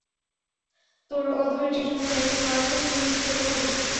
তোর অধৈর্যের জন্য একদিন মারাত্মক মূল্য চুকাতে হবে।